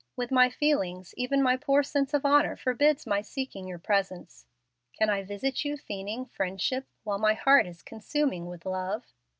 With my feelings, even my poor sense of honor forbids my seeking your presence. Can I visit you feigning friendship, while my heart is consuming with love?